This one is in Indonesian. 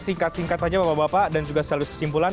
singkat singkat saja bapak bapak dan juga sekaligus kesimpulan